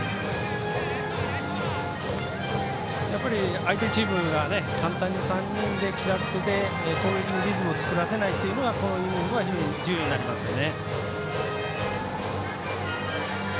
相手チーム簡単に３人で切らせて攻撃のリズムを作らせないというのがこのイニングは重要になりますよね。